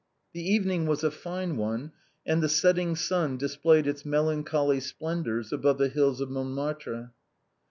The evening was a fine one, and the set ting sun displayed its melancholy splendors above the hills of Montmartre.